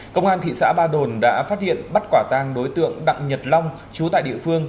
công an thị xã ba đồn đã phát hiện bắt quả tang đối tượng đặng nhật long chú tại địa phương